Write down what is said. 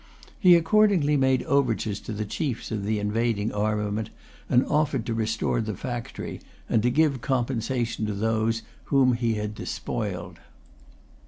He accordingly made overtures to the chiefs of the invading armament, and offered to restore the factory, and to give compensation to those whom he had despoiled.